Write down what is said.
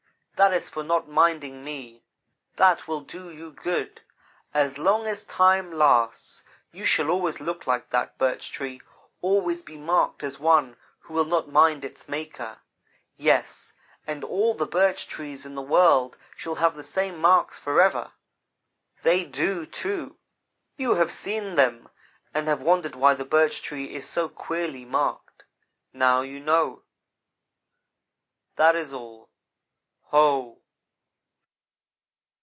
that is for not minding me. That will do you good! As long as time lasts you shall always look like that, Birch Tree; always be marked as one who will not mind its maker. Yes, and all the Birch Trees in the world shall have the same marks forever.' They do, too. You have seen them and have wondered why the Birch Tree is so queerly marked. Now you know. "That is all Ho!"